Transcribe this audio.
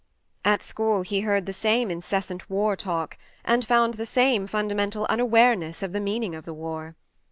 At school he heard the same incessant war talk, and found the same funda mental unawareness of the meaning of the war.